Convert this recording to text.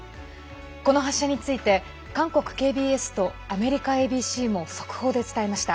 この発射について韓国ＫＢＳとアメリカＡＢＣも速報で伝えました。